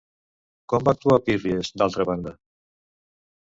Com va actuar Pírries, d'altra banda?